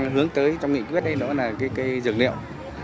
đang hướng tới trong nghị quyết đấy nữa là cây dưỡng liệu